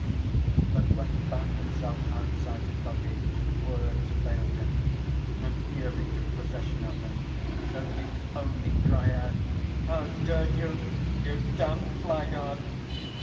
But when he found himself outside the cottage words failed him and fury took possession of him, so that he could only cry out: "How dare you, you damned blackguard?"